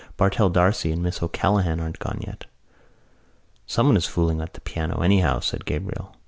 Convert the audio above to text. "Bartell D'Arcy and Miss O'Callaghan aren't gone yet." "Someone is fooling at the piano anyhow," said Gabriel.